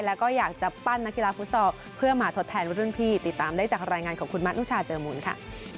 แล้วก็อยากจะปั้นนักกีฬาฟุตซอลเพื่อมาทดแทนรุ่นพี่ติดตามได้จากรายงานของคุณมะนุชาเจอมูลค่ะ